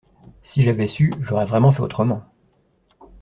Si j’avais su, j'aurais vraiment fait autrement.